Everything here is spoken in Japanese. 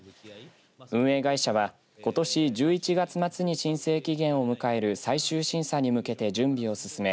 運営会社は、ことし１１月末に申請期限を迎える最終審査に向けて準備を進め